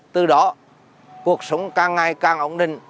từ đó cuộc sống càng ngày càng ổn định